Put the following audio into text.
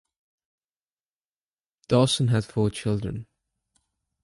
Dawson had four children.